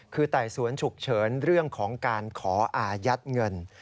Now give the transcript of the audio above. คือไต่สวนฉุกเฉินเรื่องของการขออายัดเงิน